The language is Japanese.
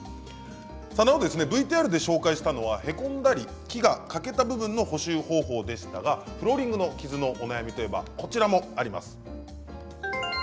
なおＶＴＲで紹介したのはへこんだり木が欠けた部分の補修方法でしたがフローリングの傷のお悩みといえばこちらもあります。